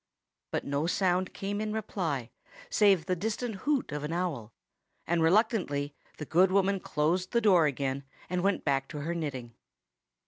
But no sound came in reply, save the distant hoot of an owl; and reluctantly the good woman closed the door again, and went back to her knitting.